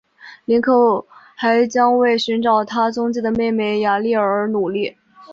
林克还将为寻找他失踪的妹妹雅丽儿而努力。